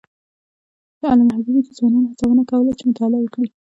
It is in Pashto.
علامه حبیبي د ځوانانو هڅونه کوله چې مطالعه وکړي.